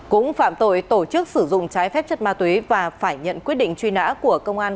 cũng phạm tội tổ chức sử dụng trái phép chất ma túy và phải nhận quyết định truy nã của công an